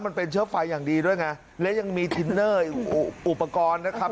มันเป็นเชื้อไฟอย่างดีด้วยไงและยังมีทินเนอร์อุปกรณ์นะครับ